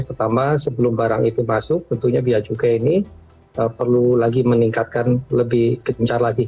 pertama sebelum barang itu masuk tentunya biaya cukai ini perlu lagi meningkatkan lebih gencar lagi